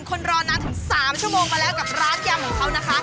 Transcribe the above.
คนรอนานถึง๓ชั่วโมงมาแล้วกับร้านยำของเขานะคะ